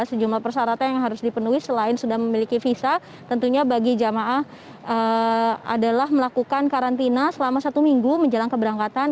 sejumlah persyaratan yang harus dipenuhi selain sudah memiliki visa tentunya bagi jamaah adalah melakukan karantina selama satu minggu menjelang keberangkatan